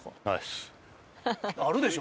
あるでしょ！